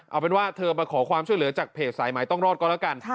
เอาเป็นว่าเธอมาขอความช่วยเหลือจากเพจสายหมายต้องรอดก็แล้วกัน